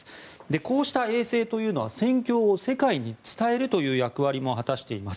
こうした衛星というのは戦況を世界に伝えるという役割も果たしています。